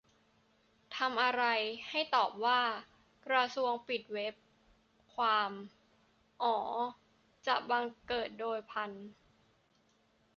ทำอะไร ให้ตอบว่า "กระทรวงปิดเว็บ" - ความ "อ๋อ" จะบังเกิดโดยพลัน